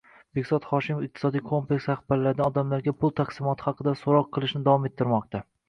Behzod Hoshimov iqtisodiy kompleks rahbarlaridan odamlarga pul taqsimoti haqida so'roq qilishni davom ettirmoqda